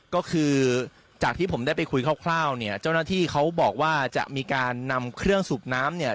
ก็คือจากที่ผมได้ไปคุยคร่าวเนี่ยเจ้าหน้าที่เขาบอกว่าจะมีการนำเครื่องสูบน้ำเนี่ย